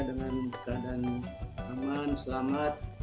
dengan keadaan aman selamat